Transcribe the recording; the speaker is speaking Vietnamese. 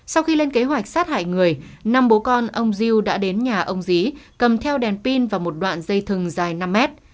sau khi lên kế hoạch sát hại người năm bố con ông diew đã đến nhà ông dí cầm theo đèn pin và một đoạn dây thừng dài năm mét